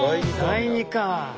第２か。